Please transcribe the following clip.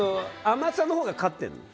甘さのほうが勝ってるの？